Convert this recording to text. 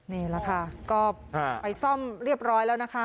นี่แหละค่ะก็ไปซ่อมเรียบร้อยแล้วนะคะ